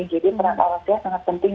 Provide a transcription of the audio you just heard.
jadi peran allah itu sangat penting